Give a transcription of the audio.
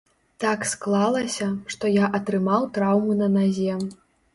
Так склалася, што я атрымаў траўму на назе.